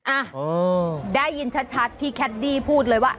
อ่ะได้ยินชัดที่แคดดี้พูดเลยว่า